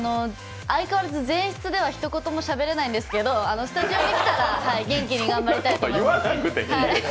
相変わらず前室では何もしゃべれないんですけどスタジオに来たら、元気に頑張りたいと思います。